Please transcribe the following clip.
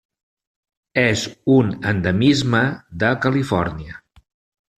És un endemisme de Califòrnia.